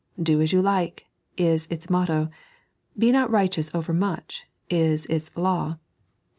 " Do as you like," is its motto. " Be not righteous over much," is its law.